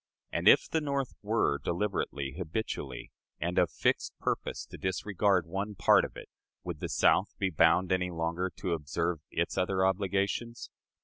And if the North were, deliberately, habitually, and of fixed purpose, to disregard one part of it, would the South be bound any longer to observe its other obligations?...